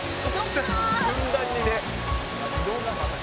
ふんだんにね。